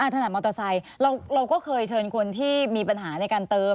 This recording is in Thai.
ขนาดมอเตอร์ไซค์เราก็เคยเชิญคนที่มีปัญหาในการเติม